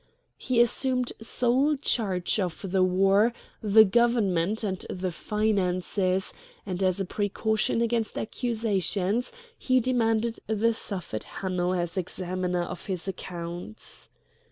He assumed sole charge of the war, the government, and the finances; and as a precaution against accusations he demanded the Suffet Hanno as examiner of his accounts.